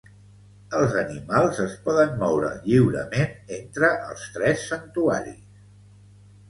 Els animals es poden moure lliurement entre els tres santuaris.